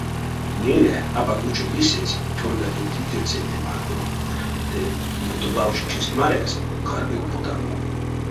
Мейле, апак учо лисезь, тюрьгадыльть икельцетнень марто ды, буто лавшочист марязь, кармильть потамо.